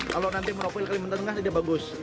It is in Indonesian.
kalau nanti meropil kalimantan tengah tidak bagus